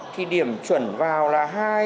thì điểm chuẩn vào là